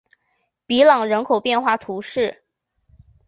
比朗人口变化图示